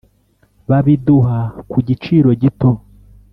babiduha ku giciro gito